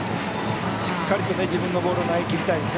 しっかり自分のボールを投げきりたいです。